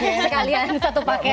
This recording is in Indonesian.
sekalian satu package ya